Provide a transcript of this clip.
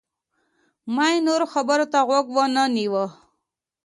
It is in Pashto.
ما یې نورو خبرو ته غوږ ونه نیوه.